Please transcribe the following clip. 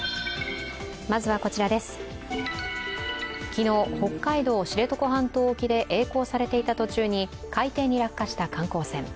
昨日、北海道知床半島沖でえい航されていた途中に海底に落下した観光船。